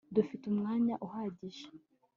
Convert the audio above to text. dufite umwanya uhagije